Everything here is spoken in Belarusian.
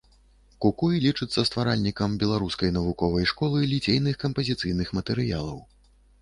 Кукуй лічыцца стваральнікам беларускай навуковай школы ліцейных кампазіцыйных матэрыялаў.